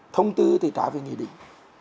thông tư thì trái với nghị định